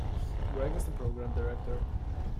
Greig is the Program Director.